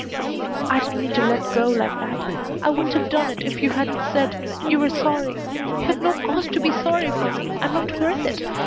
"I didn't mean to let go like that. I wouldn't have done it if you hadn't said you were sorry. You've no cause to be sorry for me. I'm not worth it.